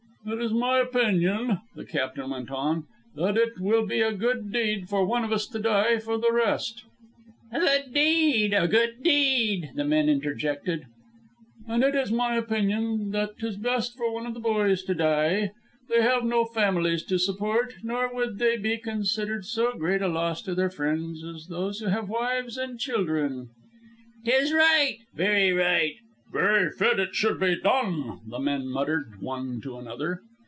"It is my opinion," the captain went on, "that it will be a good deed for one of us to die for the rest." "A good deed! A good deed!" the men interjected. "And it is my opinion that 'tis best for one of the boys to die. They have no families to support, nor would they be considered so great a loss to their friends as those who have wives and children." "'Tis right." "Very right." "Very fit it should be done," the men muttered one to another.